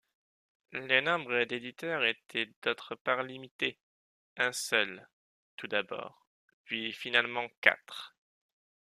Le nombre d'éditeurs était d'autre part limité, un seul, tout d'abord, puis finalement quatre.